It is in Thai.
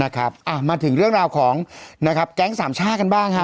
นะครับอ่ามาถึงเรื่องราวของนะครับแก๊งสามช่าห์กันบ้างฮะ